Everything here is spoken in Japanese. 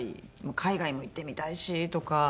海外も行ってみたいしとか。